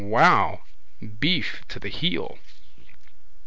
Wow! Beef to the heel.